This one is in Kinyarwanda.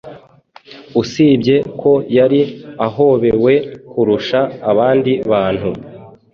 Usibye ko yari ahobewe kurusha abandi bantu